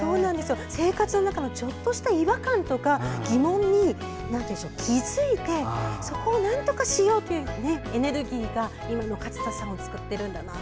生活の中のちょっとした違和感とか疑問に気付いてそこをなんとかしようというエネルギーが今の勝田さんを作っているんだと。